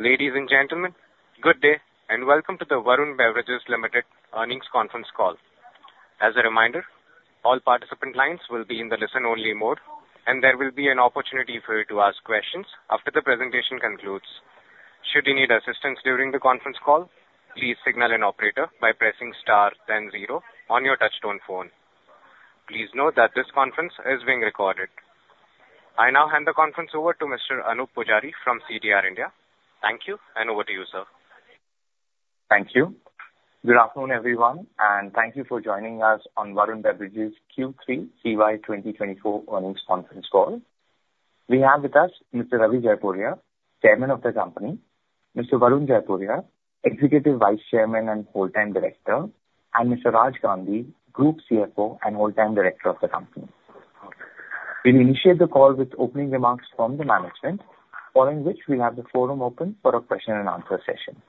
Ladies and gentlemen, good day and welcome to the Varun Beverages Ltd earnings conference call. As a reminder, all participant lines will be in the listen-only mode, and there will be an opportunity for you to ask questions after the presentation concludes. Should you need assistance during the conference call, please signal an operator by pressing star then zero on your touch-tone phone. Please note that this conference is being recorded. I now hand the conference over to Mr. Anoop Poojari from CDR India. Thank you, and over to you, sir. Thank you. Good afternoon, everyone, and thank you for joining us on Varun Beverages Q3 CY 2024 earnings conference call. We have with us Mr. Ravi Jaipuria, Chairman of the company, Mr. Varun Jaipuria, Executive Vice Chairman and Full-Time Director, and Mr. Raj Gandhi, Group CFO and Full-Time Director of the company. We'll initiate the call with opening remarks from the management, following which we'll have the forum open for a question-and-answer session.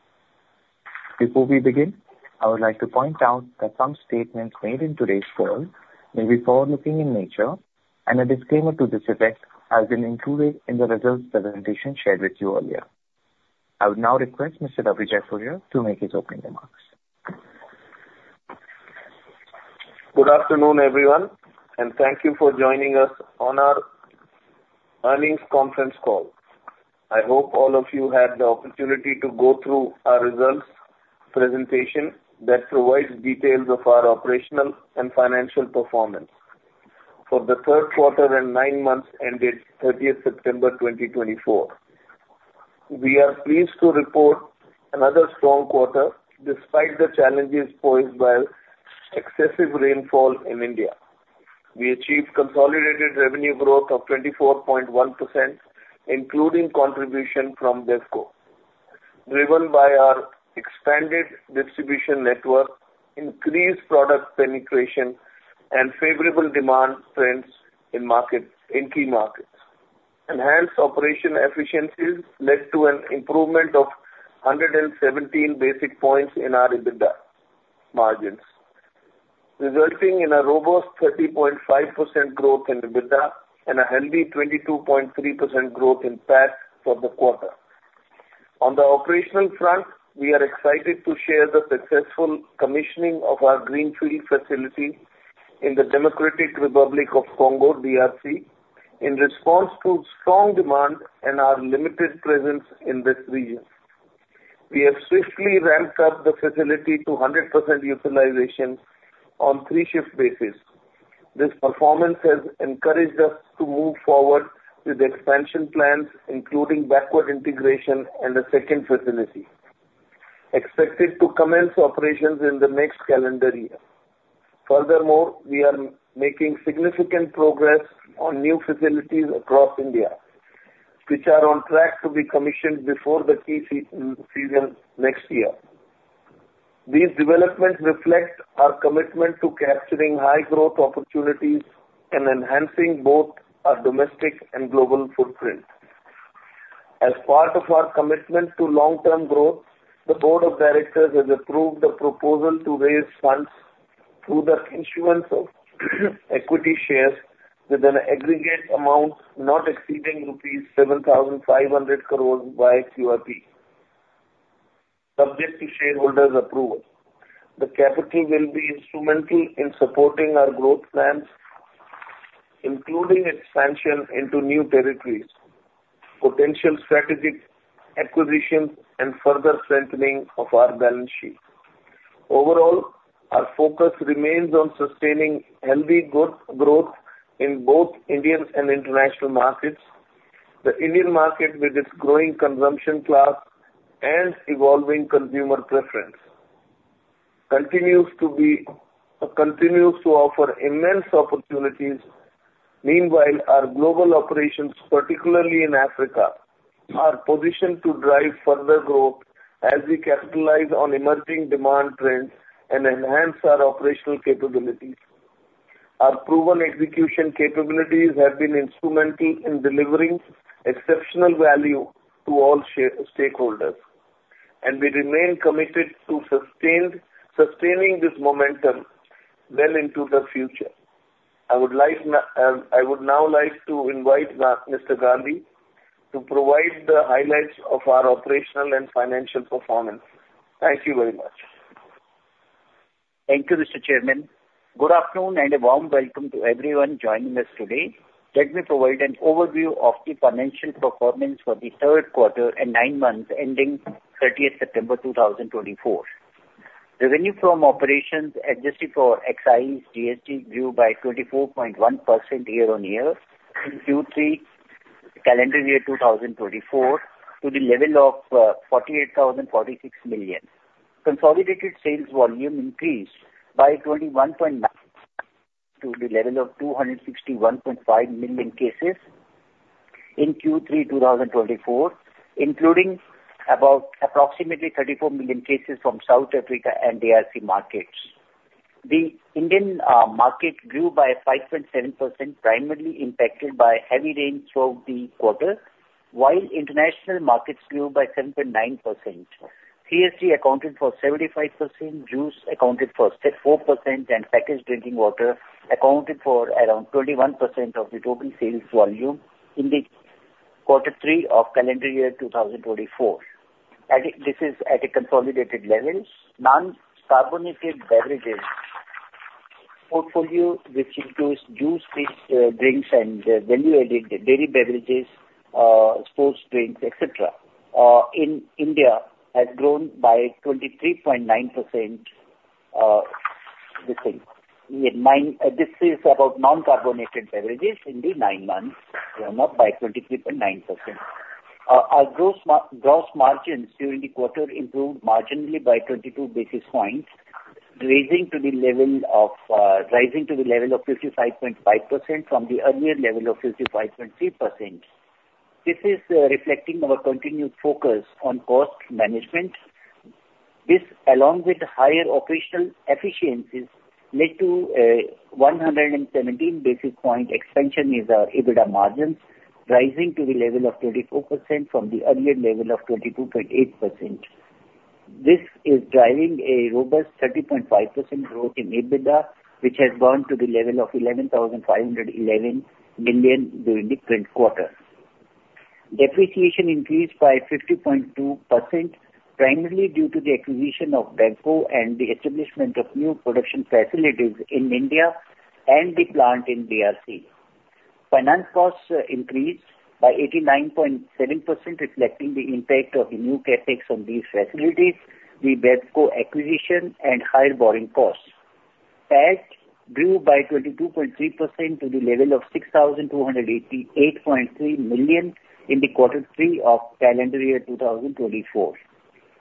Before we begin, I would like to point out that some statements made in today's call may be forward-looking in nature, and a disclaimer to this effect has been included in the results presentation shared with you earlier. I would now request Mr. Ravi Jaipuria to make his opening remarks. Good afternoon, everyone, and thank you for joining us on our earnings conference call. I hope all of you had the opportunity to go through our results presentation that provides details of our operational and financial performance for the third quarter and nine months ended 30th September 2024. We are pleased to report another strong quarter despite the challenges posed by excessive rainfall in India. We achieved consolidated revenue growth of 24.1%, including contribution from BevCo, driven by our expanded distribution network, increased product penetration, and favorable demand trends in key markets. Enhanced operation efficiencies led to an improvement of 117 basis points in our EBITDA margins, resulting in a robust 30.5% growth in EBITDA and a healthy 22.3% growth in PAT for the quarter. On the operational front, we are excited to share the successful commissioning of our greenfield facility in the Democratic Republic of the Congo (DRC) in response to strong demand and our limited presence in this region. We have swiftly ramped up the facility to 100% utilization on three-shift basis. This performance has encouraged us to move forward with expansion plans, including backward integration and a second facility, expected to commence operations in the next calendar year. Furthermore, we are making significant progress on new facilities across India, which are on track to be commissioned before the key season next year. These developments reflect our commitment to capturing high-growth opportunities and enhancing both our domestic and global footprint. As part of our commitment to long-term growth, the Board of Directors has approved a proposal to raise funds through the issue of equity shares with an aggregate amount not exceeding INR. 7,500 crores by QIP, subject to shareholders' approval. The capital will be instrumental in supporting our growth plans, including expansion into new territories, potential strategic acquisitions, and further strengthening of our balance sheet. Overall, our focus remains on sustaining healthy growth in both Indian and international markets. The Indian market, with its growing consumption class and evolving consumer preference, continues to offer immense opportunities. Meanwhile, our global operations, particularly in Africa, are positioned to drive further growth as we capitalize on emerging demand trends and enhance our operational capabilities. Our proven execution capabilities have been instrumental in delivering exceptional value to all stakeholders, and we remain committed to sustaining this momentum well into the future. I would now like to invite Mr. Gandhi to provide the highlights of our operational and financial performance. Thank you very much. Thank you, Mr. Chairman. Good afternoon and a warm welcome to everyone joining us today. Let me provide an overview of the financial performance for the third quarter and nine months ending 30th September 2024. Revenue from operations adjusted for excise GST grew by 24.1% year-on-year in Q3 calendar year 2024 to the level of 48,046 million. Consolidated sales volume increased by 21.9% to the level of 261.5 million cases in Q3 2024, including approximately 34 million cases from South Africa and DRC markets. The Indian market grew by 5.7%, primarily impacted by heavy rain throughout the quarter, while international markets grew by 7.9%. CSD accounted for 75%, juice accounted for 4%, and packaged drinking water accounted for around 21% of the total sales volume in the quarter three of calendar year 2024. This is at a consolidated level. Non-carbonated beverages portfolio, which includes juice, drinks, and value-added dairy beverages, sports drinks, etc., in India has grown by 23.9%. This is about non-carbonated beverages in the nine months, grown up by 23.9%. Our gross margins during the quarter improved marginally by 22 basis points, rising to the level of 55.5% from the earlier level of 55.3%. This is reflecting our continued focus on cost management. This, along with higher operational efficiencies, led to a 117 basis point expansion in our EBITDA margins, rising to the level of 24% from the earlier level of 22.8%. This is driving a robust 30.5% growth in EBITDA, which has gone to the level of 11,511 million during the current quarter. Depreciation increased by 50.2%, primarily due to the acquisition of BevCo and the establishment of new production facilities in India and the plant in DRC. Finance costs increased by 89.7%, reflecting the impact of the new CapEx on these facilities, the BevCo acquisition, and higher borrowing costs. PAT grew by 22.3% to the level of 6,288.3 million in the quarter three of calendar year 2024.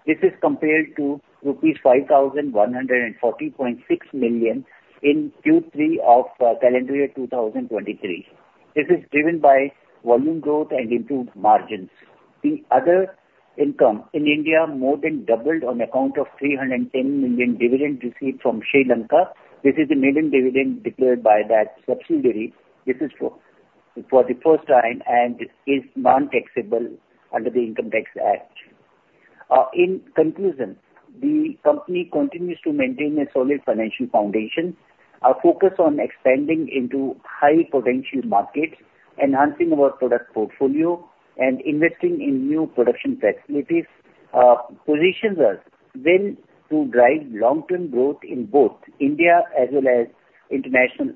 This is compared to rupees 5,140.6 million in Q3 of calendar year 2023. This is driven by volume growth and improved margins. The other income in India more than doubled on account of 310 million dividend received from Sri Lanka. This is the million dividend declared by that subsidiary. This is for the first time and is non-taxable under the Income Tax Act. In conclusion, the company continues to maintain a solid financial foundation. Our focus on expanding into high-potential markets, enhancing our product portfolio, and investing in new production facilities positions us well to drive long-term growth in both India as well as international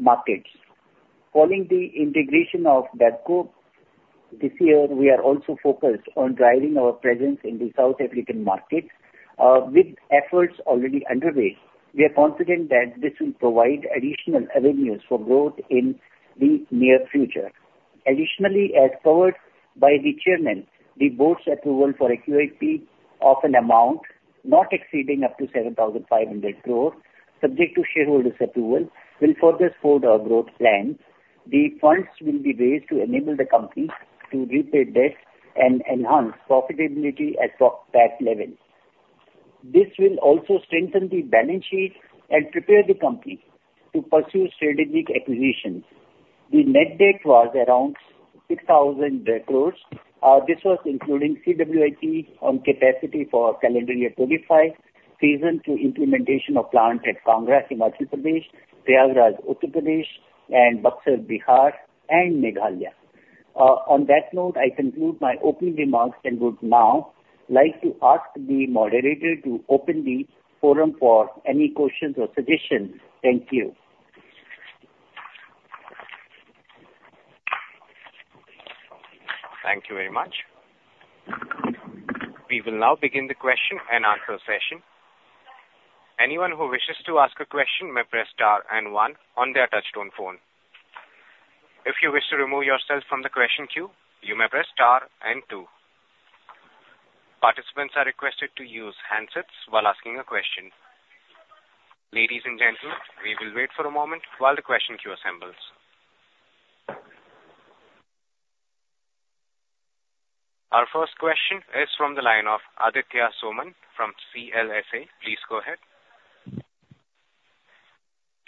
markets. Following the integration of BevCo this year, we are also focused on driving our presence in the South African markets. With efforts already underway, we are confident that this will provide additional avenues for growth in the near future. Additionally, as covered by the Chairman, the board's approval for a QIP of an amount not exceeding up to 7,500 crores, subject to shareholders' approval, will further support our growth plans. The funds will be raised to enable the company to repay debts and enhance profitability at PAT levels. This will also strengthen the balance sheet and prepare the company to pursue strategic acquisitions. The net debt was around 6,000 crores. This was including CWIP on capacity for calendar year 2025, such as the implementation of plants at Congo in the Democratic Republic of the Congo, in Madhya Pradesh, Prayagraj in Uttar Pradesh, and in Bihar and Meghalaya. On that note, I conclude my opening remarks and would now like to ask the moderator to open the forum for any questions or suggestions. Thank you. Thank you very much. We will now begin the question and answer session. Anyone who wishes to ask a question may press star and one on their touch-tone phone. If you wish to remove yourself from the question queue, you may press star and two. Participants are requested to use handsets while asking a question. Ladies and gentlemen, we will wait for a moment while the question queue assembles. Our first question is from the line of Aditya Soman from CLSA. Please go ahead.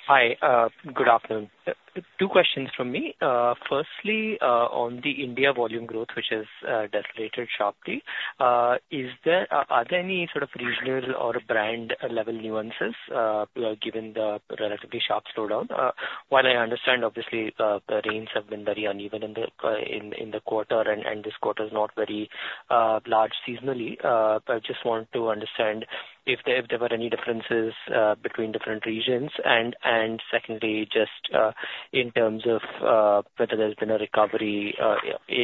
Hi, good afternoon. Two questions from me. Firstly, on the India volume growth, which has decelerated sharply, are there any sort of regional or brand-level nuances given the relatively sharp slowdown? While I understand, obviously, the rains have been very uneven in the quarter, and this quarter is not very large seasonally, I just want to understand if there were any differences between different regions, and secondly, just in terms of whether there's been a recovery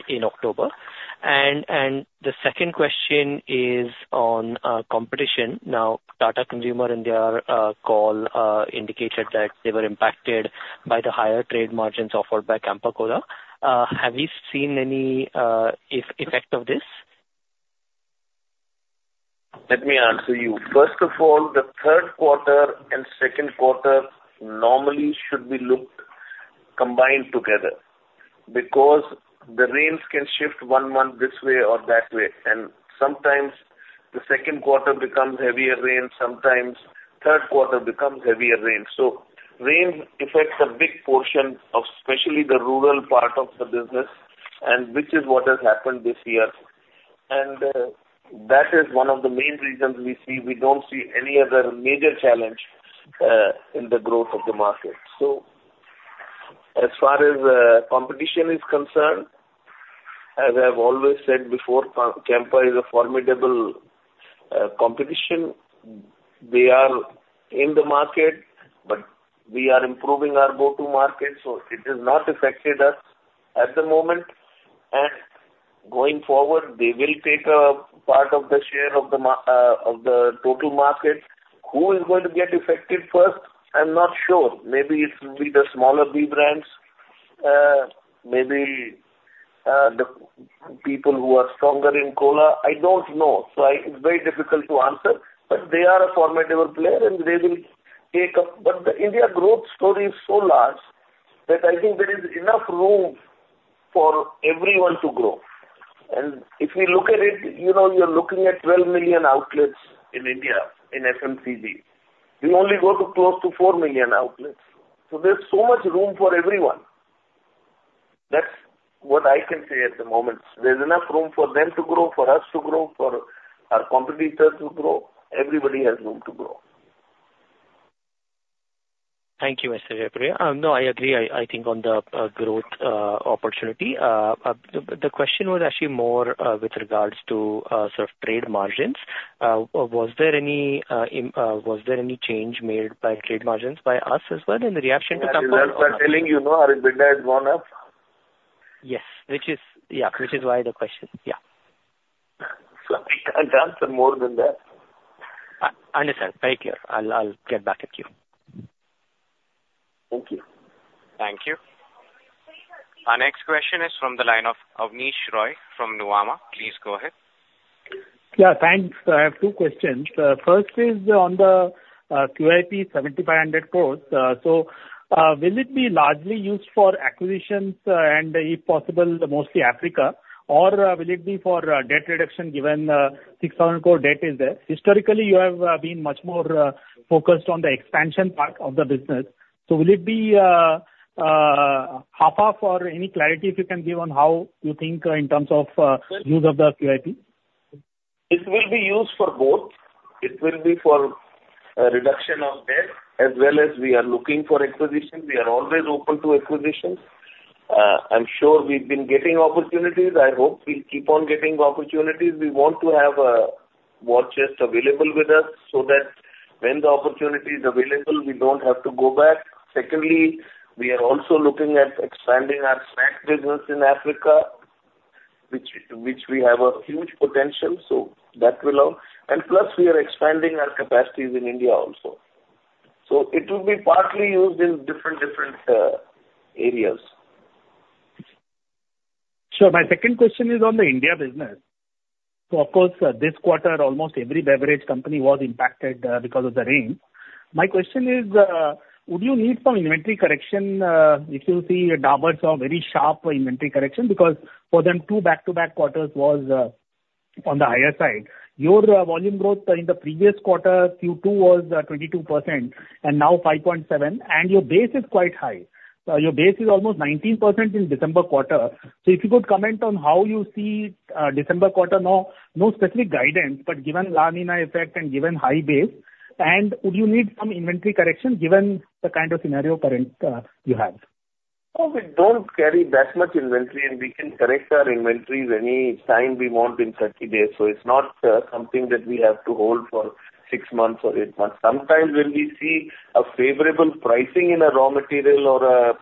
in October, and the second question is on competition. Now, Tata Consumer in their call indicated that they were impacted by the higher trade margins offered by Campa Cola. Have we seen any effect of this? Let me answer you. First of all, the third quarter and second quarter normally should be looked combined together because the rains can shift one month this way or that way. And sometimes the second quarter becomes heavier rain. Sometimes third quarter becomes heavier rain. So rain affects a big portion, especially the rural part of the business, which is what has happened this year. And that is one of the main reasons we see. We don't see any other major challenge in the growth of the market. So as far as competition is concerned, as I've always said before, Campa is a formidable competition. They are in the market, but we are improving our go-to market, so it has not affected us at the moment. And going forward, they will take a part of the share of the total market. Who is going to get affected first? I'm not sure. Maybe it will be the smaller B brands, maybe the people who are stronger in Cola. I don't know. So it's very difficult to answer, but they are a formidable player and they will take up. But the India growth story is so large that I think there is enough room for everyone to grow. And if we look at it, you're looking at 12 million outlets in India in FMCG. We only go to close to 4 million outlets. So there's so much room for everyone. That's what I can say at the moment. There's enough room for them to grow, for us to grow, for our competitors to grow. Everybody has room to grow. Thank you, Mr. Jaipuria. No, I agree, I think, on the growth opportunity. The question was actually more with regards to sort of trade margins. Was there any change made by trade margins by us as well in the reaction to Campa? I'm telling you, Arvinda, it's gone up. Yes. Yeah, which is why the question. Yeah. So I can't answer more than that. Understood. Very clear. I'll get back at you. Thank you. Thank you. Our next question is from the line of Abneesh Roy from Nuvama. Please go ahead. Yeah, thanks. I have two questions. First is on the QIP 7,500 crores. So will it be largely used for acquisitions and, if possible, mostly Africa, or will it be for debt reduction given 6,000 crore debt is there? Historically, you have been much more focused on the expansion part of the business. So will it be half-half or any clarity if you can give on how you think in terms of use of the QIP? It will be used for both. It will be for reduction of debt, as well as we are looking for acquisitions. We are always open to acquisitions. I'm sure we've been getting opportunities. I hope we'll keep on getting opportunities. We want to have a war chest available with us so that when the opportunity is available, we don't have to go back. Secondly, we are also looking at expanding our snack business in Africa, which we have a huge potential. So that will help, and plus, we are expanding our capacities in India also. So it will be partly used in different, different areas. So my second question is on the India business. So of course, this quarter, almost every beverage company was impacted because of the rain. My question is, would you need some inventory correction if you see Dabur's very sharp inventory correction? Because for them too, back-to-back quarters was on the higher side. Your volume growth in the previous quarter, Q2 was 22% and now 5.7%. And your base is quite high. Your base is almost 19% in December quarter. So if you could comment on how you see December quarter, no specific guidance, but given La Niña effect and given high base. And would you need some inventory correction given the kind of scenario you have? We don't carry that much inventory, and we can correct our inventories any time we want in 30 days. So it's not something that we have to hold for six months or eight months. Sometimes when we see a favorable pricing in a raw material or a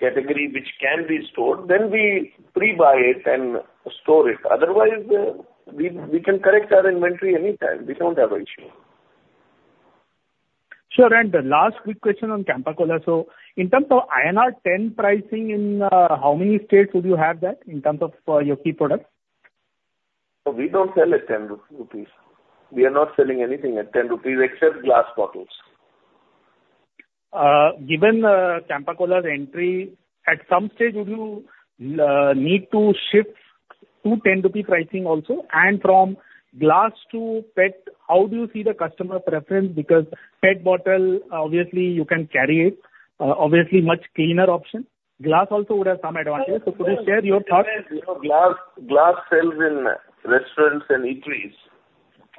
category which can be stored, then we pre-buy it and store it. Otherwise, we can correct our inventory anytime. We don't have an issue. Sure. And the last quick question on Campa Cola. So in terms of INR 10 pricing, in how many states would you have that in terms of your key products? We don't sell at 10 rupees. We are not selling anything at 10 rupees except glass bottles. Given Campa Cola's entry, at some stage, would you need to shift to 10 rupee pricing also? And from glass to PET, how do you see the customer preference? Because PET bottle, obviously, you can carry it. Obviously, much cleaner option. Glass also would have some advantage. So could you share your thoughts? Glass sells in restaurants and eateries.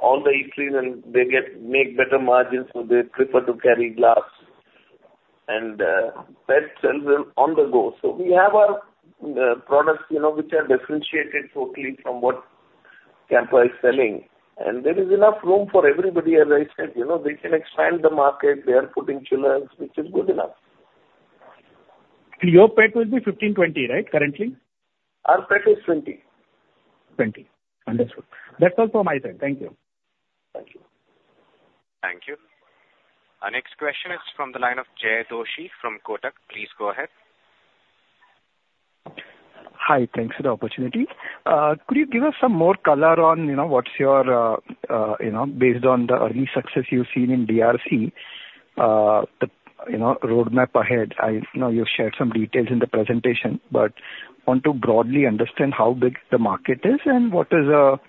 All the eateries, and they make better margins, so they prefer to carry glass. And PET sells them on the go. So we have our products which are differentiated totally from what Campa is selling. And there is enough room for everybody, as I said. They can expand the market. They are putting chillers, which is good enough. Your PET will be 15-20, right, currently? Our PET is 20. 20. Understood. That's all from my side. Thank you. Thank you. Thank you. Our next question is from the line of Jay Doshi from Kotak. Please go ahead. Hi. Thanks for the opportunity. Could you give us some more color on what's your, based on the early success you've seen in DRC, the roadmap ahead? I know you've shared some details in the presentation, but I want to broadly understand how big the market is and what is a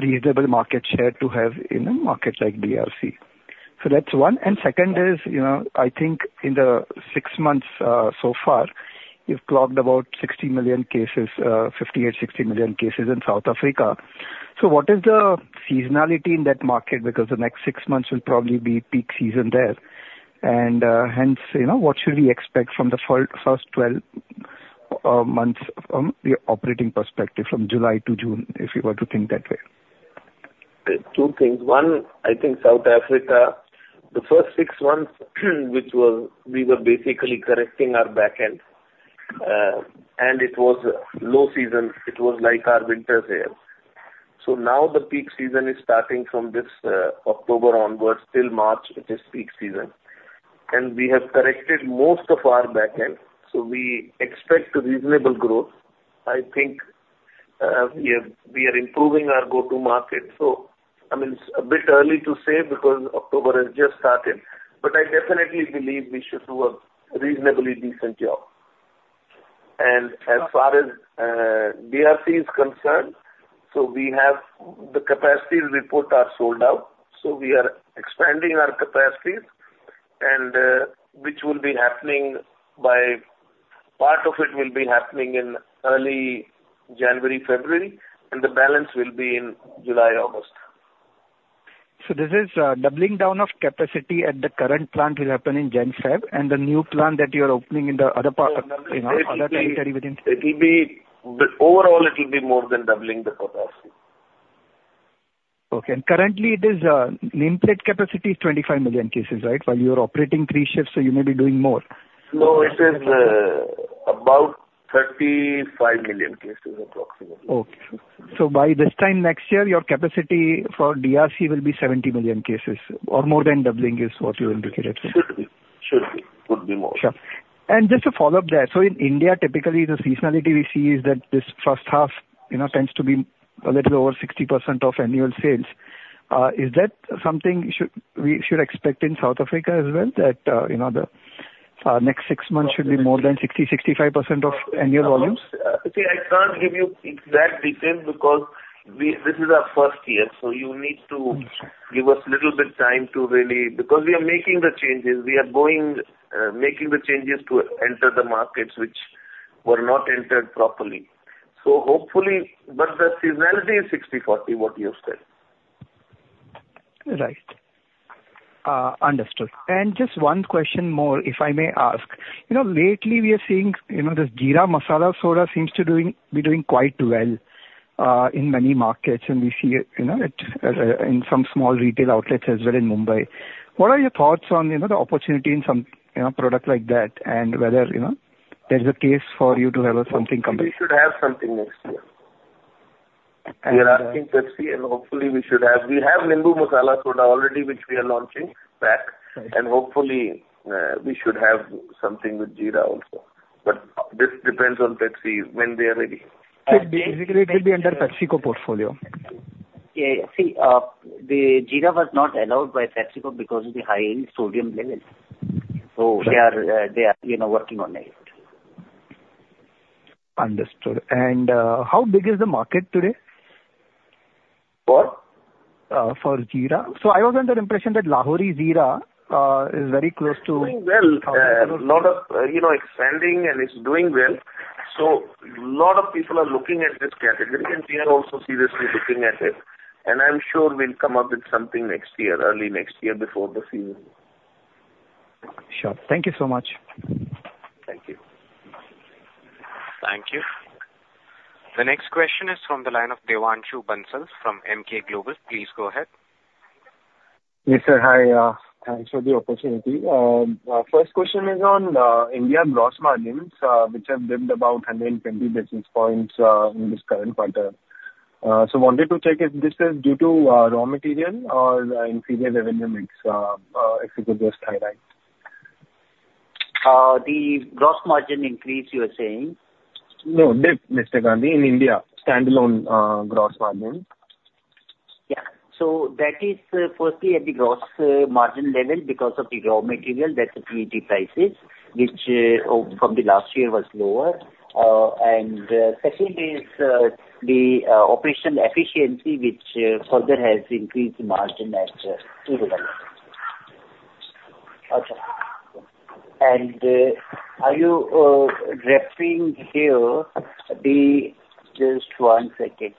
reasonable market share to have in a market like DRC. So that's one. And second is, I think in the six months so far, you've clocked about 58, 60 million cases in South Africa. So what is the seasonality in that market? Because the next six months will probably be peak season there. And hence, what should we expect from the first 12 months from the operating perspective, from July to June, if you were to think that way? Two things. One, I think South Africa, the first six months, we were basically correcting our backend. And it was low season. It was like our winters here. So now the peak season is starting from this October onwards. Till March, it is peak season. And we have corrected most of our backend. So we expect reasonable growth. I think we are improving our go-to-market. So I mean, it's a bit early to say because October has just started. But I definitely believe we should do a reasonably decent job. And as far as DRC is concerned, so the capacities are sold out. So we are expanding our capacities, which will be happening. Part of it will be happening in early January, February. And the balance will be in July, August. So this is doubling down of capacity at the current plant will happen in Gen5 and the new plant that you are opening in the other territory within? Overall, it will be more than doubling the capacity. Okay, and currently, its nameplate capacity is 25 million cases, right? While you are operating three shifts, so you may be doing more. No, it is about 35 million cases, approximately. Okay. So by this time next year, your capacity for DRC will be 70 million cases or more than doubling is what you indicated. Should be. Could be more. Sure. And just to follow up there, so in India, typically, the seasonality we see is that this first half tends to be a little over 60% of annual sales. Is that something we should expect in South Africa as well, that the next six months should be more than 60-65% of annual volumes? See, I can't give you exact details because this is our first year. So you need to give us a little bit of time to really because we are making the changes. We are making the changes to enter the markets, which were not entered properly. So hopefully, but the seasonality is 60-40, what you've said. Right. Understood. And just one question more, if I may ask. Lately, we are seeing this Jeera Masala Soda seems to be doing quite well in many markets, and we see it in some small retail outlets as well in Mumbai. What are your thoughts on the opportunity in some product like that and whether there's a case for you to have something come? We should have something next year. We are asking Pepsi, and hopefully, we should have. We have Nimbu Masala Soda already, which we are launching back. And hopefully, we should have something with Jeera also. But this depends on Pepsi when they are ready. Basically, it will be under PepsiCo portfolio. Yeah. See, the Jeera was not allowed by PepsiCo because of the high sodium level. So they are working on it. Understood. And how big is the market today? For? For Jeera. So I was under the impression that Lahori Zeera is very close to. It's doing well. It's expanding, and it's doing well. So a lot of people are looking at this category, and we are also seriously looking at it and I'm sure we'll come up with something next year, early next year before the season. Sure. Thank you so much. Thank you. Thank you. The next question is from the line of Devanshu Bansal from Emkay Global. Please go ahead. Yes, sir. Hi. Thanks for the opportunity. First question is on India gross margins, which have dipped about 120 basis points in this current quarter. So wanted to check if this is due to raw material or inferior revenue mix. If you could just highlight. The gross margin increase, you were saying? No, dipped, Mr. Gandhi, in India. Standalone gross margin. Yeah. So that is firstly at the gross margin level because of the raw material that the PET prices, which from the last year was lower. And second is the operational efficiency, which further has increased the margin at PET level. And are you referring here? Just one second.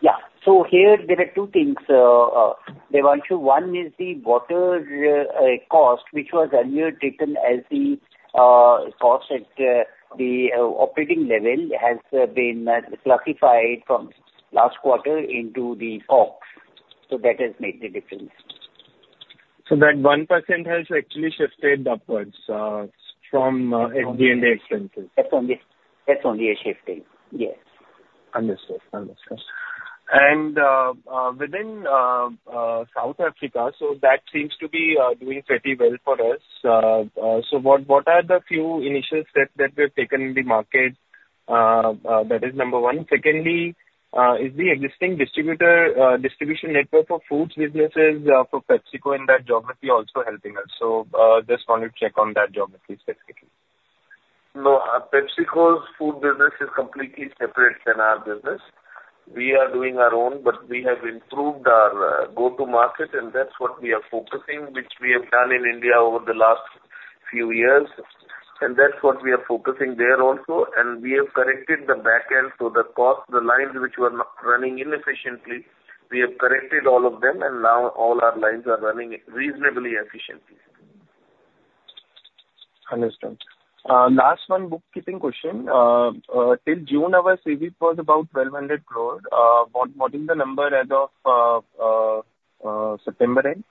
Yeah. So here, there are two things they want you. One is the water cost, which was earlier taken as the cost at the operating level has been classified from last quarter into the COGS. So that has made the difference. So that 1% has actually shifted upwards from FD&A expenses. That's only a shifting. Yes. Understood. And within South Africa, so that seems to be doing pretty well for us. So what are the few initial steps that we have taken in the market? That is number one. Secondly, is the existing distribution network of food businesses for PepsiCo in that geography also helping us? So just wanted to check on that geography specifically. No, PepsiCo's food business is completely separate than our business. We are doing our own, but we have improved our go-to market, and that's what we are focusing, which we have done in India over the last few years. And that's what we are focusing there also. And we have corrected the backend. So the lines which were running inefficiently, we have corrected all of them, and now all our lines are running reasonably efficiently. Understood. Last one bookkeeping question. Till June, our savings was about 1,200 crore. What is the number as of September end?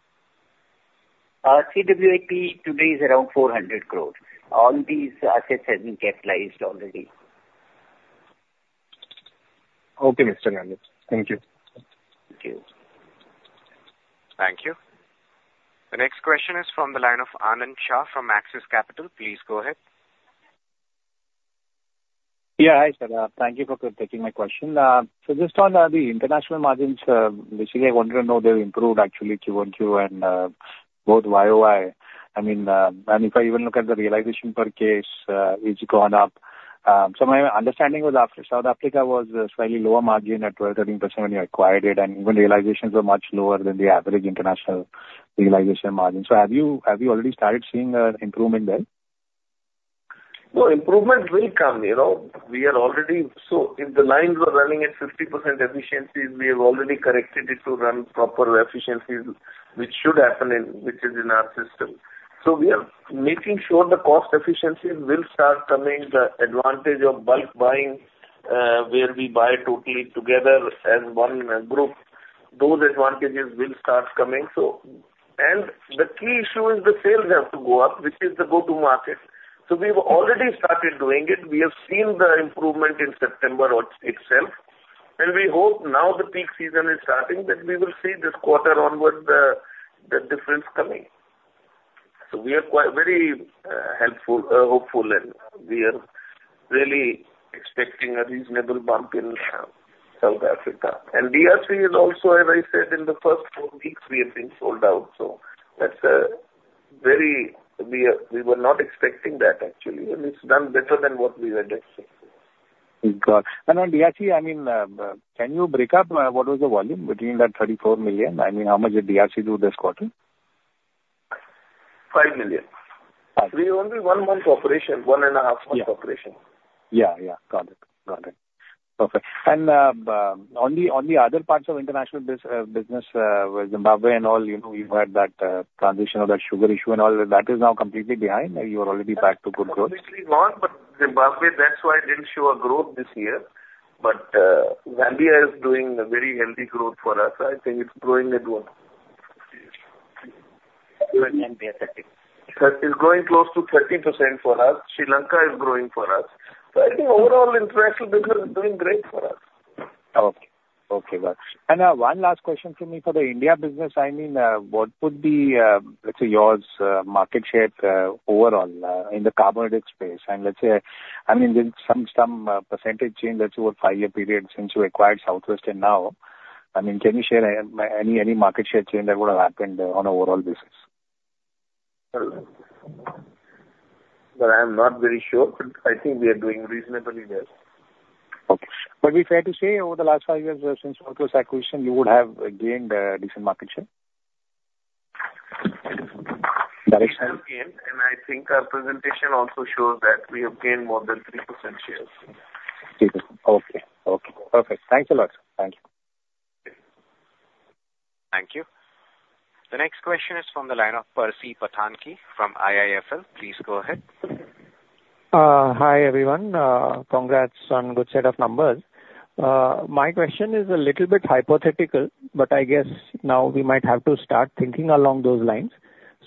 CWIP today is around 400 crore. All these assets have been capitalized already. Okay, Mr. Gandhi. Thank you. Thank you. Thank you. The next question is from the line of Anand Shah from Axis Capital. Please go ahead. Yeah, hi, sir. Thank you for taking my question. So just on the international margins, basically, I wanted to know they've improved, actually, Q1 and both YoY. I mean, and if I even look at the realization per case, it's gone up. So my understanding was South Africa was slightly lower margin at 12%-13% when you acquired it, and even realizations were much lower than the average international realization margin. So have you already started seeing an improvement there? No, improvement will come. We are already, so if the lines were running at 50% efficiencies, we have already corrected it to run proper efficiencies, which should happen, which is in our system. So we are making sure the cost efficiencies will start coming, the advantage of bulk buying where we buy totally together as one group. Those advantages will start coming. And the key issue is the sales have to go up, which is the go-to market. So we have already started doing it. We have seen the improvement in September itself. And we hope now the peak season is starting, that we will see this quarter onwards the difference coming. So we are very hopeful, and we are really expecting a reasonable bump in South Africa. And DRC is also, as I said, in the first four weeks, we have been sold out. That's. We were not expecting that, actually. It's done better than what we had expected. Got it. And on DRC, I mean, can you break up what was the volume between that 34 million? I mean, how much did DRC do this quarter? 5 million. 5 million. We only one month operation, one and a half month operation. Yeah. Yeah. Got it. Got it. Perfect. And on the other parts of international business, Zimbabwe and all, you've had that transition of that sugar issue and all. That is now completely behind? You are already back to good growth? It's been long, but Zimbabwe, that's why didn't show a growth this year, but Zambia is doing very healthy growth for us. I think it's growing at one. Zambia is at 30. It's growing close to 30% for us. Sri Lanka is growing for us. So I think overall, international business is doing great for us. Okay. Okay. Got it, and one last question for me for the India business. I mean, what would be, let's say, your market share overall in the carbonated space, and let's say, I mean, there's some percentage change that's over five-year period since you acquired Southwest and now. I mean, can you share any market share change that would have happened on an overall basis? But I am not very sure, but I think we are doing reasonably well. Okay. But it's fair to say over the last five years since Southwest acquisition, you would have gained a decent market share? We have gained. I think our presentation also shows that we have gained more than 3% shares. Okay. Okay. Perfect. Thanks a lot. Thank you. Thank you. The next question is from the line of Percy Panthaki from IIFL. Please go ahead. Hi, everyone. Congrats on a good set of numbers. My question is a little bit hypothetical, but I guess now we might have to start thinking along those lines.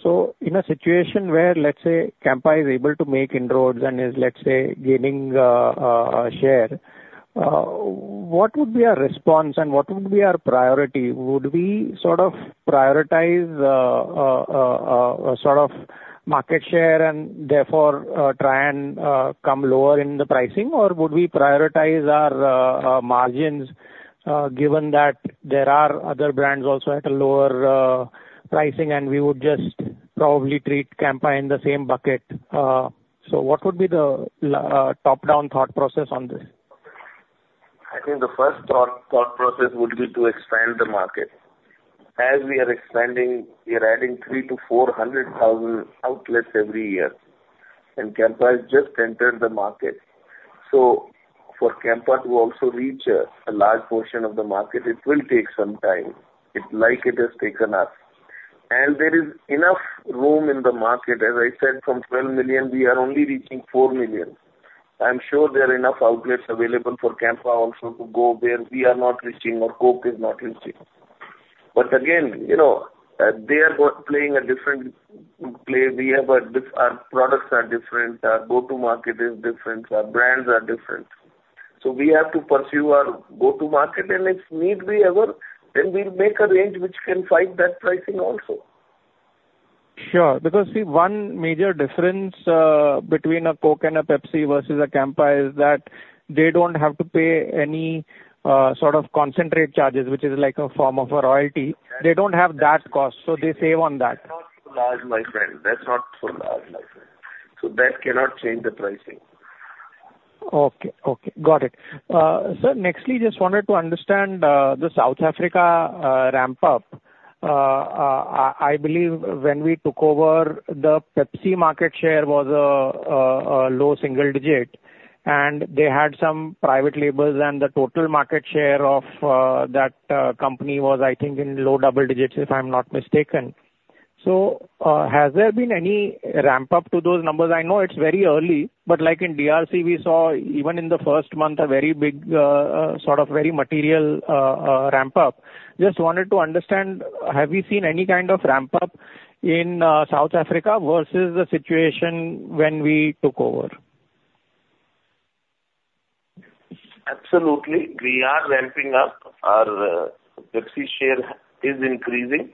So in a situation where, let's say, Campa is able to make inroads and is, let's say, gaining a share, what would be our response and what would be our priority? Would we sort of prioritize sort of market share and therefore try and come lower in the pricing, or would we prioritize our margins given that there are other brands also at a lower pricing, and we would just probably treat Campa in the same bucket? So what would be the top-down thought process on this? I think the first thought process would be to expand the market. As we are expanding, we are adding 300,000-400,000 outlets every year. And Campa has just entered the market. So for Campa to also reach a large portion of the market, it will take some time. It's like it has taken us. And there is enough room in the market. As I said, from 12 million, we are only reaching 4 million. I'm sure there are enough outlets available for Campa also to go where we are not reaching or Coke is not reaching. But again, they are playing a different play. We have our products are different. Our go-to market is different. Our brands are different. So we have to pursue our go-to market, and if need be ever, then we'll make a range which can fight that pricing also. Sure. Because see, one major difference between a Coke and a Pepsi versus a Campa is that they don't have to pay any sort of concentrate charges, which is like a form of a royalty. They don't have that cost, so they save on that. That's not so large, my friend. That's not so large, my friend. So that cannot change the pricing. Okay. Okay. Got it. Sir, nextly, just wanted to understand the South Africa ramp-up. I believe when we took over, the Pepsi market share was a low single digit, and they had some private labels, and the total market share of that company was, I think, in low double digits, if I'm not mistaken. So has there been any ramp-up to those numbers? I know it's very early, but like in DRC, we saw even in the first month a very big sort of very material ramp-up. Just wanted to understand, have we seen any kind of ramp-up in South Africa versus the situation when we took over? Absolutely. We are ramping up. Our Pepsi share is increasing,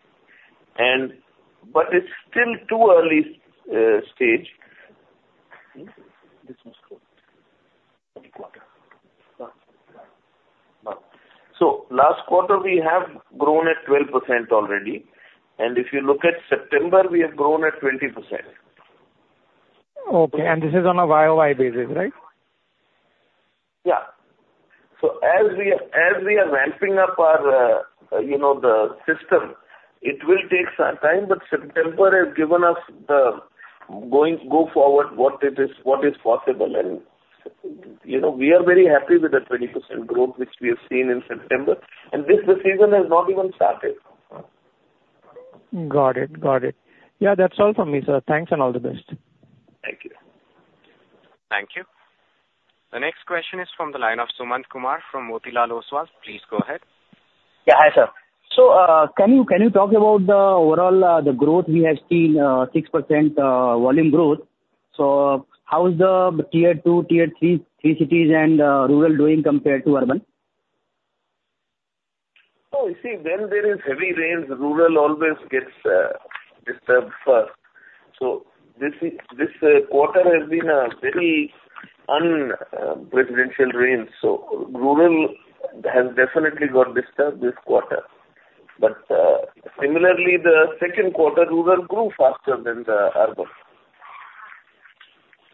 but it's still too early stage. So last quarter, we have grown at 12% already. And if you look at September, we have grown at 20%. Okay. And this is on a YoY basis, right? Yeah. So as we are ramping up the system, it will take some time, but September has given us the go forward what is possible. And we are very happy with the 20% growth which we have seen in September. And this season has not even started. Got it. Got it. Yeah, that's all for me, sir. Thanks and all the best. Thank you. Thank you. The next question is from the line of Sumant Kumar from Motilal Oswal. Please go ahead. Yeah. Hi, sir. So can you talk about the overall growth? We have seen 6% volume growth. So how is the tier two, tier three cities and rural doing compared to urban? Oh, you see, when there is heavy rains, rural always gets disturbed first. So this quarter has been a very unprecedented rain. So rural has definitely got disturbed this quarter. But similarly, the second quarter, rural grew faster than the urban.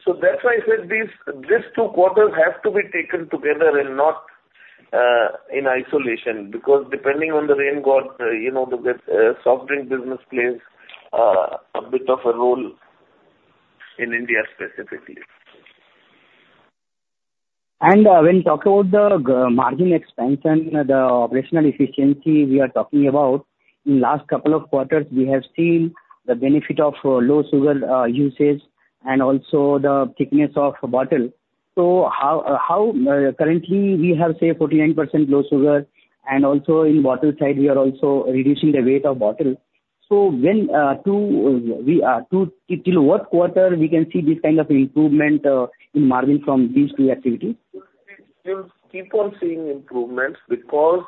So that's why I said these two quarters have to be taken together and not in isolation because depending on the rain, the soft drink business plays a bit of a role in India specifically. And when we talk about the margin expansion, the operational efficiency we are talking about, in the last couple of quarters, we have seen the benefit of low sugar usage and also the thickness of bottle. So currently, we have, say, 49% low sugar, and also in bottle side, we are also reducing the weight of bottle. So till what quarter we can see this kind of improvement in margin from these two activities? We'll keep on seeing improvements because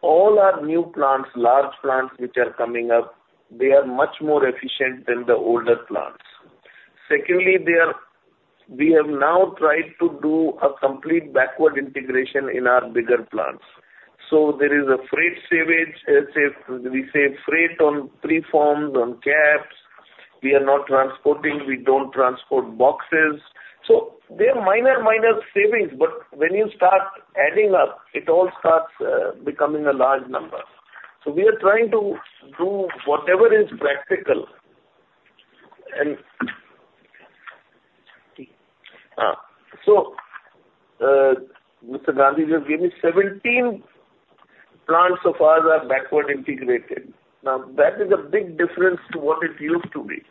all our new plants, large plants which are coming up, they are much more efficient than the older plants. Secondly, we have now tried to do a complete backward integration in our bigger plants, so there is a freight savings. We save freight on preforms and caps. We are not transporting. We don't transport boxes. So there are minor, minor savings, but when you start adding up, it all starts becoming a large number, so we are trying to do whatever is practical, and so Mr. Gandhi just gave me 17 plants so far that are backward integrated. Now, that is a big difference to what it used to be,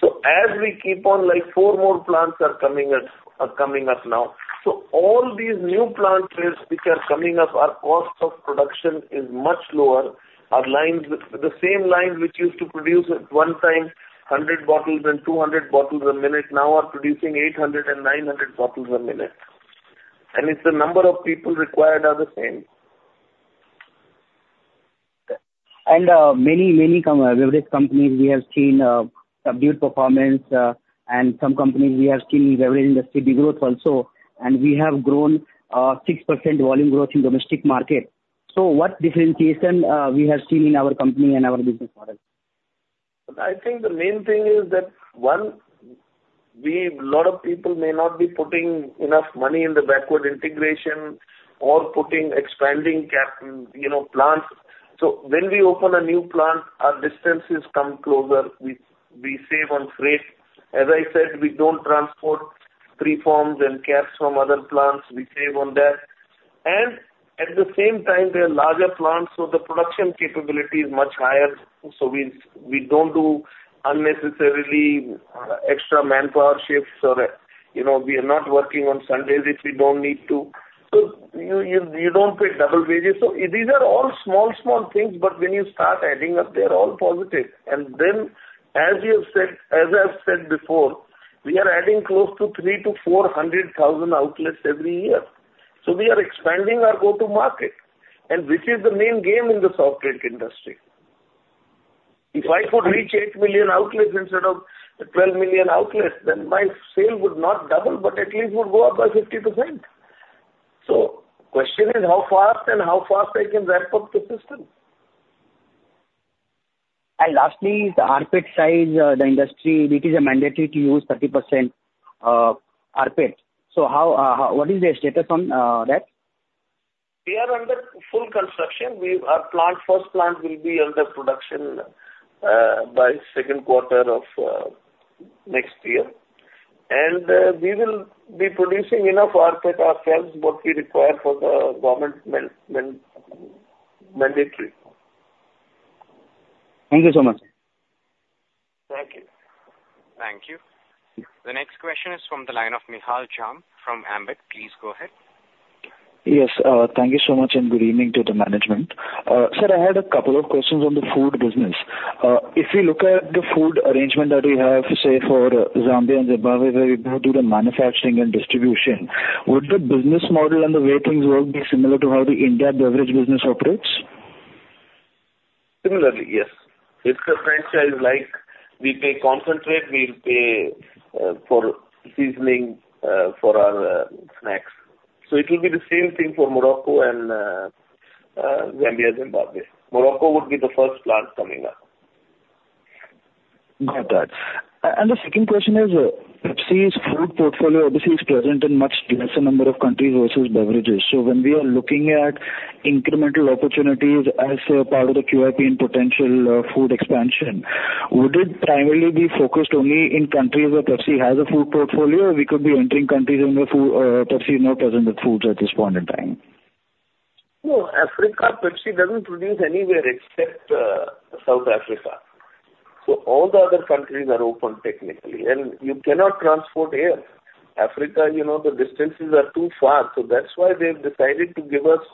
so as we keep on, like four more plants are coming up now, so all these new plants which are coming up, our cost of production is much lower. The same lines which used to produce at one time 100 bottles and 200 bottles a minute now are producing 800 and 900 bottles a minute, and the number of people required are the same. And many beverage companies, we have seen subdued performance, and some companies we have seen beverage industry regrowth also. And we have grown 6% volume growth in domestic market. So what differentiation we have seen in our company and our business model? I think the main thing is that, one, a lot of people may not be putting enough money in the backward integration or putting expanding plants. So when we open a new plant, our distances come closer. We save on freight. As I said, we don't transport preforms and caps from other plants. We save on that. And at the same time, there are larger plants, so the production capability is much higher. So we don't do unnecessarily extra manpower shifts, or we are not working on Sundays if we don't need to. So you don't pay double wages. So these are all small, small things, but when you start adding up, they're all positive. And then, as I've said before, we are adding close to 300,000-400,000 outlets every year. We are expanding our go-to market, which is the main game in the soft drink industry. If I could reach 8 million outlets instead of 12 million outlets, then my sale would not double, but at least would go up by 50%. The question is how fast and how fast I can ramp up the system? And lastly, the rPET size, the industry, it is mandated to use 30% rPET. So what is the status on that? We are under full construction. Our first plant will be under production by second quarter of next year. We will be producing enough preforms ourselves, what we require for the government mandatory. Thank you so much. Thank you. Thank you. The next question is from the line of Nihal Jham from Ambit. Please go ahead. Yes. Thank you so much and good evening to the management. Sir, I had a couple of questions on the food business. If we look at the food arrangement that we have, say, for Zambia and Zimbabwe, where we both do the manufacturing and distribution, would the business model and the way things work be similar to how the India beverage business operates? Similarly, yes. It's a franchise like, we pay concentrate, we pay for seasoning for our snacks. So it will be the same thing for Morocco and Zambia and Zimbabwe. Morocco would be the first plant coming up. Got it. And the second question is, Pepsi's food portfolio obviously is present in much lesser number of countries versus beverages. So when we are looking at incremental opportunities as part of the QIP and potential food expansion, would it primarily be focused only in countries where Pepsi has a food portfolio, or we could be entering countries where Pepsi is not present with foods at this point in time? No, Africa. Pepsi doesn't produce anywhere except South Africa, so all the other countries are open technically, and you cannot transport by air. Africa, the distances are too far. That's why they've decided to give it to us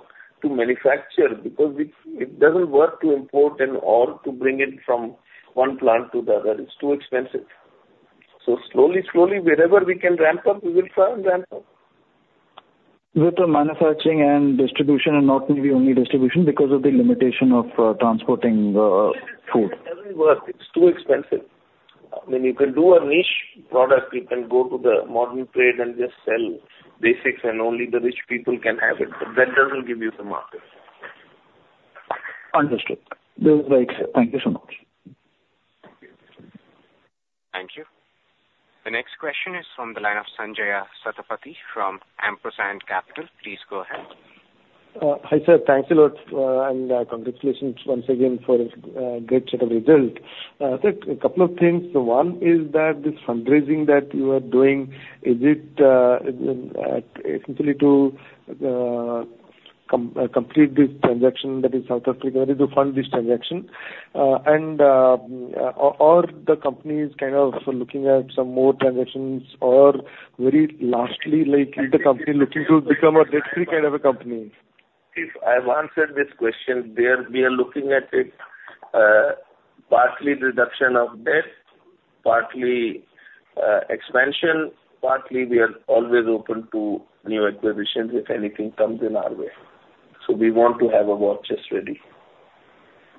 to manufacture because it doesn't work to import and/or to bring it from one plant to the other. It's too expensive. Slowly, slowly, wherever we can ramp up, we will try and ramp up. With the manufacturing and distribution and not maybe only distribution because of the limitation of transporting food? It doesn't work. It's too expensive. I mean, you can do a niche product. You can go to the modern trade and just sell basics, and only the rich people can have it. But that doesn't give you the market. Understood. That was great. Thank you so much. Thank you. The next question is from the line of Sanjay Satapathy from Ampersand Capital. Please go ahead. Hi, sir. Thanks a lot. And congratulations once again for a great set of results. A couple of things. One is that this fundraising that you are doing, is it essentially to complete this transaction that is South Africa that is to fund this transaction? Or the company is kind of looking at some more transactions? Or very lastly, is the company looking to become a debt-free kind of a company? If I've answered this question, we are looking at it partly reduction of debt, partly expansion. Partly, we are always open to new acquisitions if anything comes in our way. So we want to have a box just ready.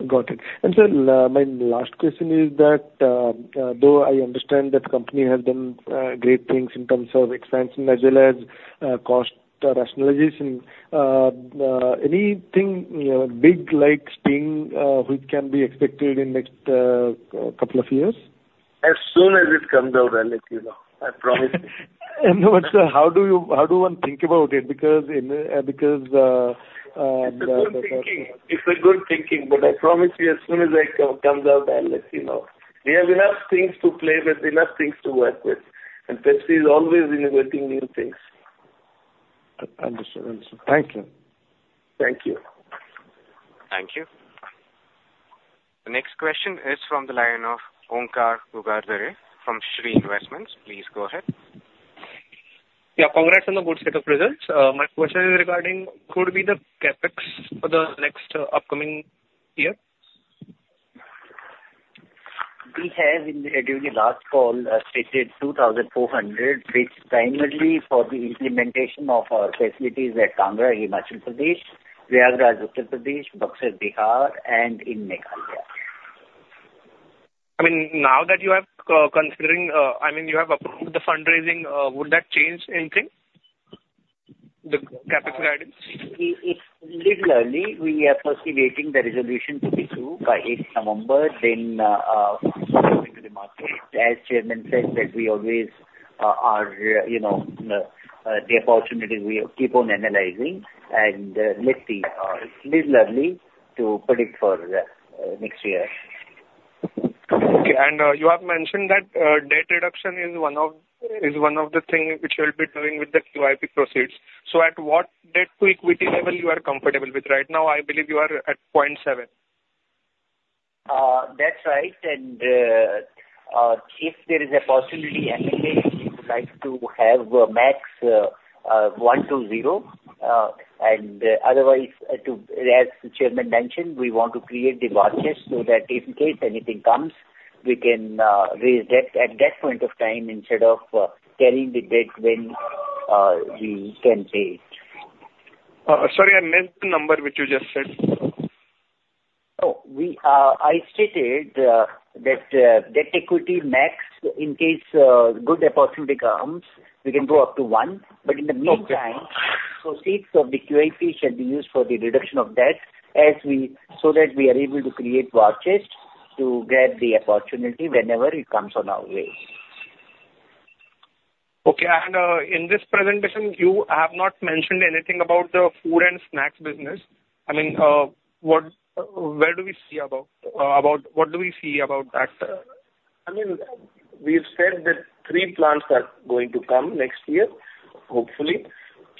Got it. And sir, my last question is that, though I understand that the company has done great things in terms of expansion as well as cost rationalization, anything big like Sting which can be expected in the next couple of years? As soon as it comes out, I'll let you know. I promise you. How do one think about it? Because the. It's good thinking, but I promise you, as soon as it comes out, I'll let you know. We have enough things to play with, enough things to work with, and Pepsi is always innovating new things. Understood. Understood. Thank you. Thank you. Thank you. The next question is from the line of Omkar Ghugardare from Shree Investments. Please go ahead. Yeah. Congrats on the good set of results. My question is regarding what could be the CapEx for the next upcoming year? We have, in the very last call, stated 2,400, which primarily for the implementation of our facilities at Tanga in Madhya Pradesh, Prayagraj in Uttar Pradesh, Buxar in Bihar, and in Meghalaya. I mean, now that you have approved the fundraising, would that change anything, the CapEx guidance? Similarly, we are firstly waiting the resolution to be through by 8th November, then going to the market. As Chairman said, that we always are the opportunity we keep on analyzing, and let's see. Similarly, to predict for next year. Okay. And you have mentioned that debt reduction is one of the things which you will be doing with the QIP proceeds. So at what debt to equity level you are comfortable with right now? I believe you are at 0.7. That's right. And if there is a possibility anyway, we would like to have net debt to zero. And otherwise, as Chairman mentioned, we want to create the war chest so that in case anything comes, we can raise debt at that point of time instead of carrying the debt when we can pay it. Sorry, and the number which you just said? Oh, I stated that debt equity max in case good opportunity comes, we can go up to 1. But in the meantime, proceeds of the QIP should be used for the reduction of debt so that we are able to create a war chest to grab the opportunity whenever it comes on our way. Okay. And in this presentation, you have not mentioned anything about the food and snacks business. I mean, where do we see about what do we see about that? I mean, we've said that three plants are going to come next year, hopefully.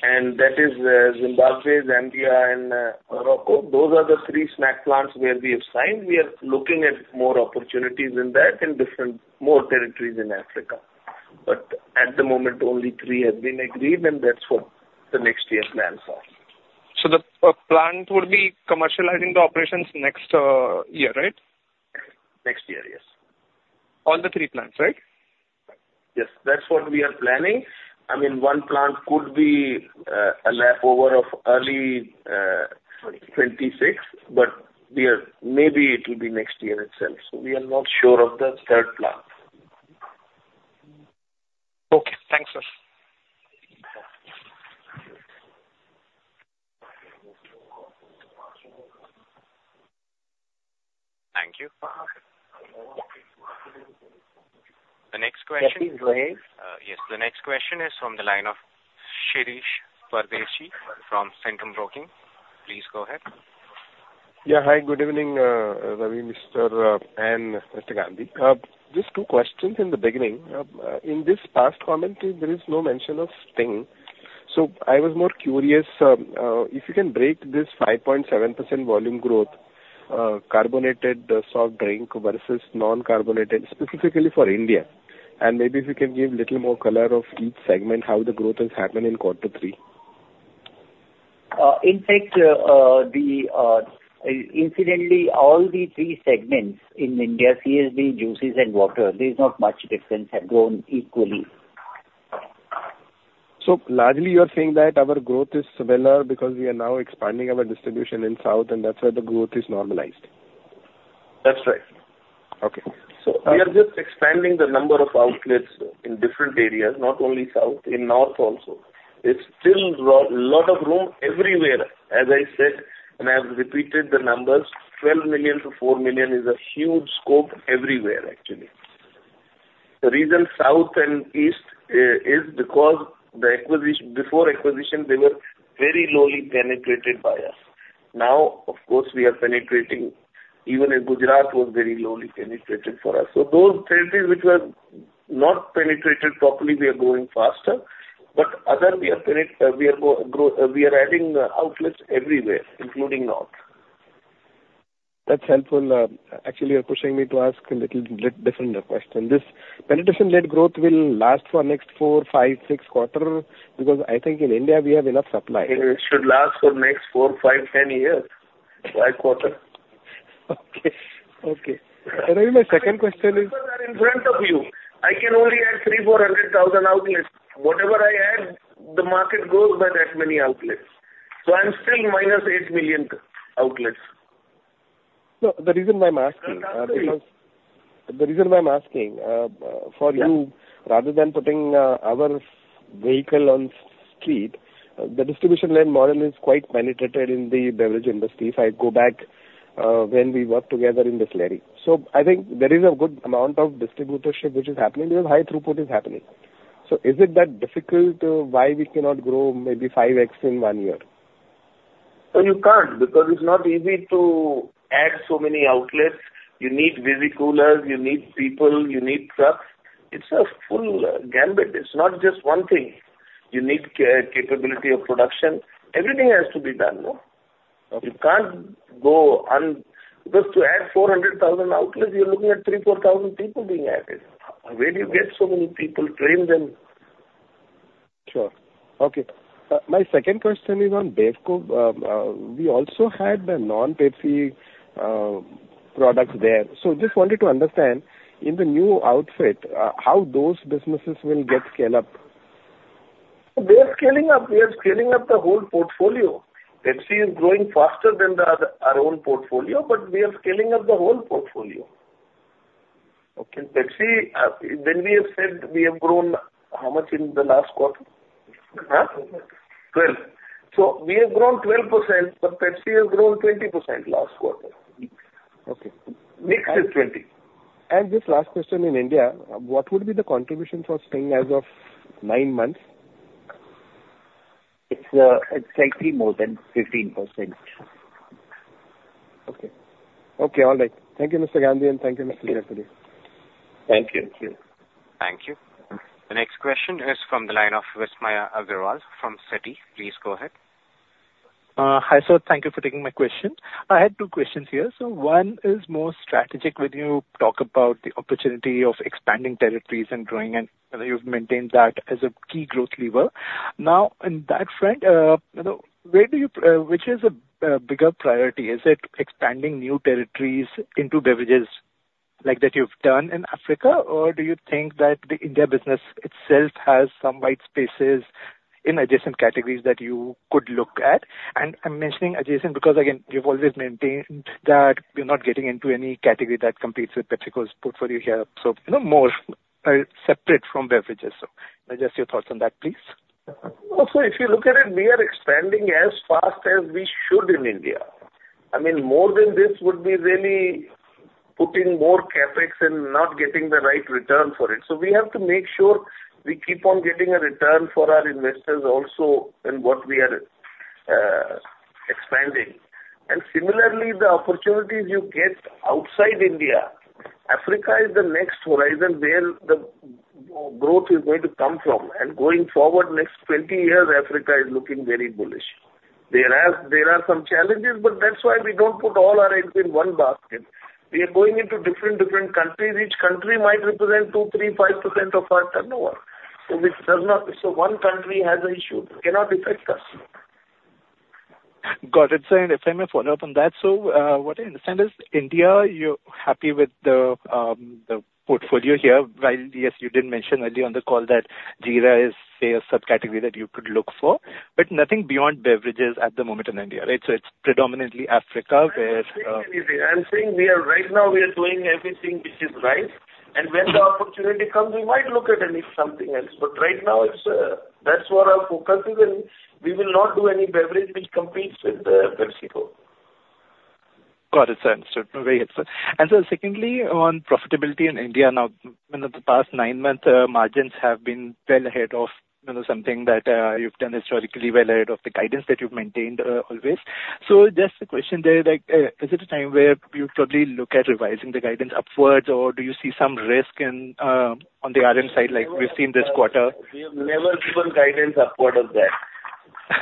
And that is Zimbabwe, Zambia, and Morocco. Those are the three snack plants where we have signed. We are looking at more opportunities in that and different more territories in Africa. But at the moment, only three have been agreed, and that's what the next year plans are. The plant would be commercializing the operations next year, right? Next year, yes. All the three plants, right? Yes. That's what we are planning. I mean, one plant could be a handover of early 2026, but maybe it will be next year itself. So we are not sure of the third plant. Okay. Thanks, sir. Thank you. The next question. That is Rohil. Yes. The next question is from the line of Shirish Pardeshi from Centrum Broking. Please go ahead. Yeah. Hi, good evening, Ravi, Mr. and Mr. Gandhi. Just two questions in the beginning. In this past commentary, there is no mention of Sting. So I was more curious if you can break this 5.7% volume growth, carbonated soft drink versus non-carbonated, specifically for India. And maybe if you can give a little more color of each segment, how the growth has happened in quarter three. In fact, incidentally, all the three segments in India, CSD, juices, and water, there is not much difference, have grown equally. So largely, you are saying that our growth is similar because we are now expanding our distribution in South, and that's where the growth is normalized. That's right. Okay, so we are just expanding the number of outlets in different areas, not only south, in north also. There's still a lot of room everywhere, as I said, and I have repeated the numbers. 12 million to four million is a huge scope everywhere, actually. The reason south and east is because before acquisition, they were very lowly penetrated by us. Now, of course, we are penetrating. Even in Gujarat, it was very lowly penetrated for us. So those territories which were not penetrated properly, we are growing faster. But other, we are adding outlets everywhere, including north. That's helpful. Actually, you're pushing me to ask a little different question. This penetration-led growth will last for next four, five, six quarters? Because I think in India, we have enough supply. It should last for next four, five, 10 years, five quarters. Okay. Okay. My second question is. Because I'm in front of you. I can only add three, four hundred thousand outlets. Whatever I add, the market goes by that many outlets. So I'm still minus 8 million outlets. The reason why I'm asking for you, rather than putting our vehicle on the street, the distribution-led model is quite penetrated in the beverage industry, if I go back when we worked together in the salad days. So I think there is a good amount of distributorship which is happening because high throughput is happening. So is it that difficult why we cannot grow maybe 5x in one year? Oh, you can't because it's not easy to add so many outlets. You need busy coolers. You need people. You need trucks. It's a full gamut. It's not just one thing. You need capability of production. Everything has to be done. You can't go on because to add 400,000 outlets, you're looking at three, four thousand people being added. Where do you get so many people? Train them. Sure. Okay. My second question is on BevCo. We also had the non-Pepsi products there. So just wanted to understand in the new outfit, how those businesses will get scale up. We are scaling up. We are scaling up the whole portfolio. Pepsi is growing faster than our own portfolio, but we are scaling up the whole portfolio. Okay. Pepsi, when we have said we have grown how much in the last quarter? 12%. So we have grown 12%, but Pepsi has grown 20% last quarter. Okay. Mix is 20. Just last question in India, what would be the contribution for Sting as of nine months? It's slightly more than 15%. Okay. Okay. All right. Thank you, Mr. Gandhi, and thank you, Mr. Jaipuria. Thank you. Thank you. The next question is from the line of Vismaya Agarwal from Citi. Please go ahead. Hi, sir. Thank you for taking my question. I had two questions here. So one is more strategic when you talk about the opportunity of expanding territories and growing, and you've maintained that as a key growth lever. Now, in that front, where do you which is a bigger priority? Is it expanding new territories into beverages like that you've done in Africa, or do you think that the India business itself has some white spaces in adjacent categories that you could look at? And I'm mentioning adjacent because, again, you've always maintained that you're not getting into any category that competes with PepsiCo's portfolio here. So more separate from beverages. So just your thoughts on that, please. Also, if you look at it, we are expanding as fast as we should in India. I mean, more than this would be really putting more CapEx and not getting the right return for it. So we have to make sure we keep on getting a return for our investors also in what we are expanding. And similarly, the opportunities you get outside India, Africa is the next horizon where the growth is going to come from. And going forward, next 20 years, Africa is looking very bullish. There are some challenges, but that's why we don't put all our eggs in one basket. We are going into different countries. Each country might represent 2%, 3%, 5% of our turnover. So one country has an issue that cannot affect us. Got it. So if I may follow up on that, so what I understand is India, you're happy with the portfolio here. Yes, you did mention earlier on the call that Jeera is, say, a subcategory that you could look for. But nothing beyond beverages at the moment in India, right? So it's predominantly Africa where. I'm saying we are right now, we are doing everything which is right, and when the opportunity comes, we might look at least something else, but right now, that's where our focus is, and we will not do any beverage which competes with PepsiCo. Got it. So, very helpful. And so secondly, on profitability in India, now, in the past nine months, margins have been well ahead of something that you've done historically, well ahead of the guidance that you've maintained always. So just a question there. Is it a time where you'd probably look at revising the guidance upwards, or do you see some risk on the RM side like we've seen this quarter? We have never given guidance upward of that.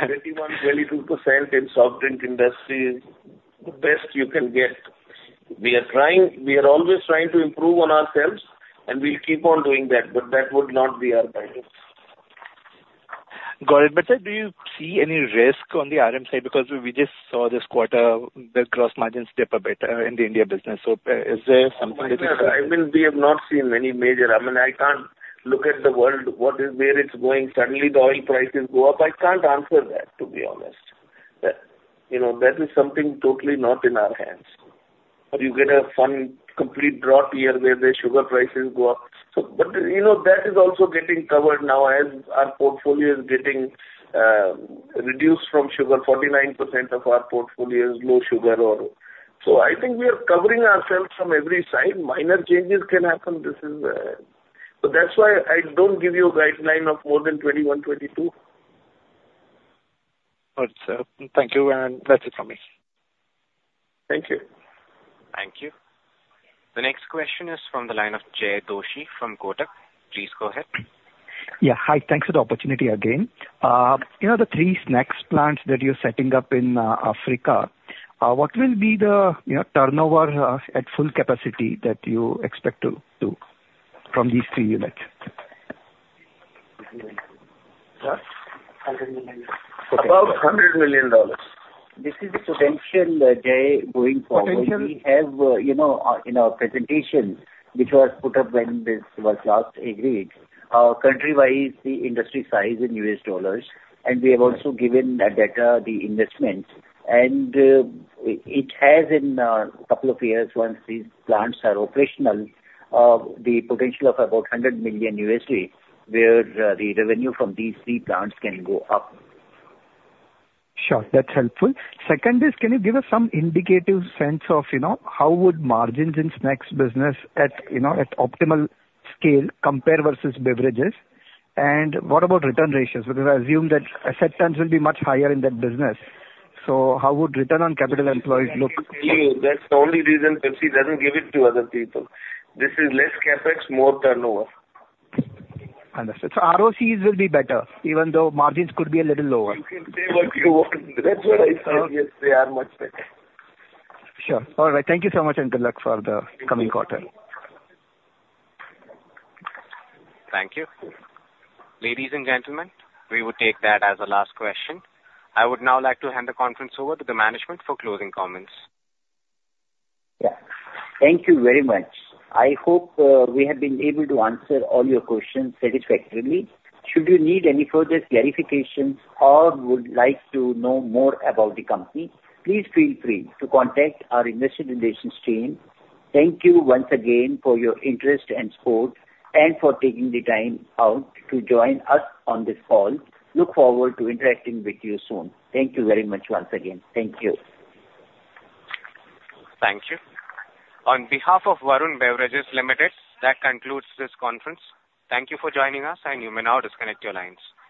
21%-22% in soft drink industry is the best you can get. We are always trying to improve on ourselves, and we'll keep on doing that. But that would not be our guidance. Got it. But do you see any risk on the RM side? Because we just saw this quarter, the gross margins dip a bit in the India business. So is there something that you think? I mean, we have not seen any major. I mean, I can't look at the world, where it's going. Suddenly, the oil prices go up. I can't answer that, to be honest. That is something totally not in our hands. But you get one complete drought year where the sugar prices go up. But that is also getting covered now as our portfolio is getting reduced from sugar. 49% of our portfolio is low sugar. So I think we are covering ourselves from every side. Minor changes can happen. But that's why I don't give you a guideline of more than 21, 22. Got it, sir. Thank you. And that's it from me. Thank you. Thank you. The next question is from the line of Jay Doshi from Kotak. Please go ahead. Yeah. Hi. Thanks for the opportunity again. The three snacks plants that you're setting up in Africa, what will be the turnover at full capacity that you expect to do from these three units? About $100 million. This is the potential, Jay, going forward. We have in our presentation, which was put up when this was last agreed, countrywide industry size in U.S. dollars. And we have also given data the investment. And it has in a couple of years, once these plants are operational, the potential of about $100 million where the revenue from these three plants can go up. Sure. That's helpful. Second is, can you give us some indicative sense of how would margins in snacks business at optimal scale compare versus beverages? And what about return ratios? Because I assume that asset terms will be much higher in that business. So how would return on capital employed look? That's the only reason Pepsi doesn't give it to other people. This is less CapEx, more turnover. Understood. So ROCs will be better, even though margins could be a little lower. You can say what you want. That's what I said. Yes, they are much better. Sure. All right. Thank you so much, and good luck for the coming quarter. Thank you. Ladies and gentlemen, we will take that as a last question. I would now like to hand the conference over to the management for closing comments. Yeah. Thank you very much. I hope we have been able to answer all your questions satisfactorily. Should you need any further clarifications or would like to know more about the company, please feel free to contact our investor relations team. Thank you once again for your interest and support and for taking the time out to join us on this call. Look forward to interacting with you soon. Thank you very much once again. Thank you. Thank you. On behalf of Varun Beverages Limited, that concludes this conference. Thank you for joining us, and you may now disconnect your lines.